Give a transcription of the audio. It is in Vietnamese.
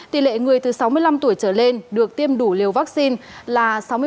tỷ lệ người từ sáu mươi năm tuổi trở lên được tiêm đủ liều vaccine là sáu mươi tám